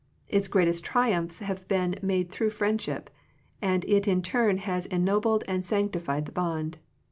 Its greatest triumphs have been made through friendship, and it in turn has ennobled and sanctified the bond.